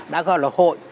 đã gọi là hội